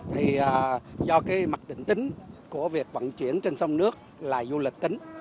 thì do cái mặt định tính của việc vận chuyển trên sông nước là du lịch tính